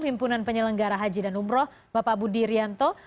himpunan penyelenggara haji dan umroh bapak budi rianto